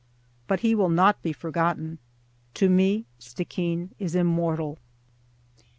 But he will not be forgotten. To me Stickeen is immortal.